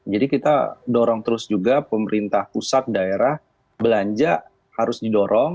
jadi kita dorong terus juga pemerintah pusat daerah belanja harus didorong